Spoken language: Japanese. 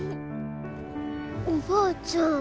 おばあちゃん